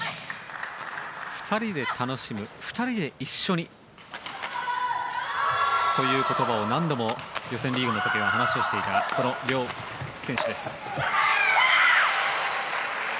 ２人で楽しむ２人で一緒にという言葉を何度も予選リーグの時、話をしていた両選手です。